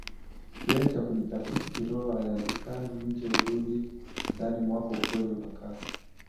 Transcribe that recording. kilele cha kujitafiti kiroho Aliandikan nje rudi ndani mwako ukweli unakaa